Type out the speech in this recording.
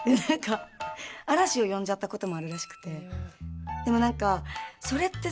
嵐を呼んじゃったこともあるらしくて。